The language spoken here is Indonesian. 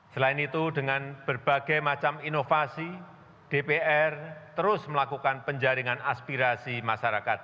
selain itu dengan berbagai macam inovasi dpr terus melakukan penjaringan aspirasi masyarakat